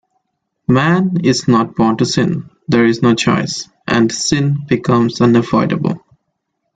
Man is not born to sin; there is no choice, and sin becomes unavoidable.